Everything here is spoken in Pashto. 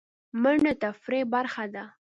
منډه د تفریح برخه ده